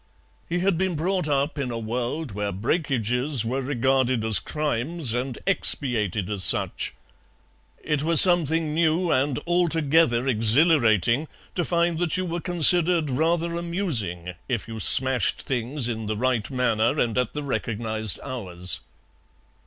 He had been brought up in a world where breakages were regarded as crimes and expiated as such; it was something new and altogether exhilarating to find that you were considered rather amusing if you smashed things in the right manner and at the recognized hours.